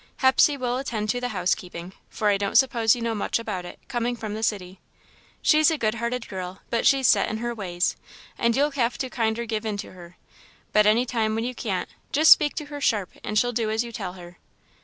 Hepsey will attend to the house keeping, for I don't suppose you know much about it, coming from the city. She's a good hearted girl, but she's set in her ways, and you'll have to kinder give in to her, but any time when you can't, just speak to her sharp and she'll do as you tell her.